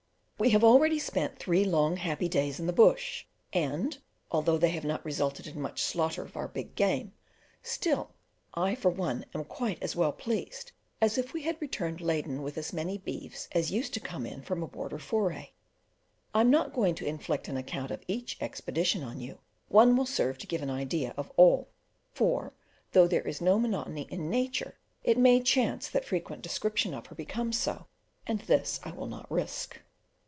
We have already spent three long happy days in the Bush, and although they have not resulted in much slaughter of our big game, still I for one am quite as well pleased as if we had returned laden with as many beeves as used to come in from a border foray. I am not going to inflict an account of each expedition on you; one will serve to give an idea of all, for though there is no monotony in Nature, it may chance that frequent descriptions of her become so, and this I will not risk.